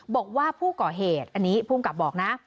บอกว่าผู้ก่อเหตุอันนี้ภูมิกับบอกนะ